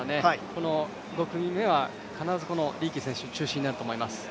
この５組目はかならずリーキー選手中心になると思います。